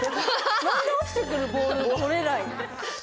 何で落ちてくるボール取れない。